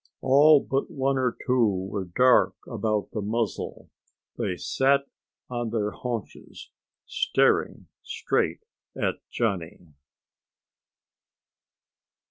All but one or two were dark about the muzzle. They sat on their haunches, staring straight at Johnny.